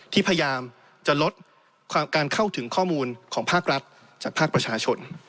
ที่พยายามจะลดการเข้าถึงข้อมูลของภาครัฐจากภาคประชาชน